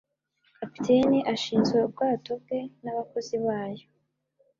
Kapiteni ashinzwe ubwato bwe nabakozi bayo.